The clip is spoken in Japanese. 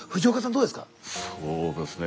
どうですか？